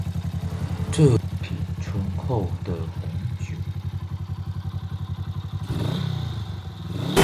這瓶醇厚的紅酒